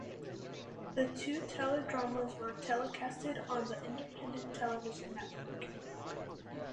The two teledramas were telecasted on the Independent Television Network.